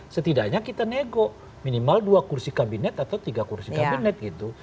setidaknya kita nego minimal dua kursi kabinet atau tiga kursi kabinet gitu